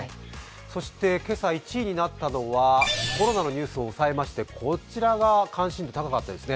そして今朝１位になったのはコロナのニュースを抑えましてこちらが関心度が高かったですね。